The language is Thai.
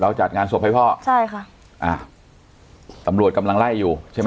จัดงานศพให้พ่อใช่ค่ะอ่าตำรวจกำลังไล่อยู่ใช่ไหม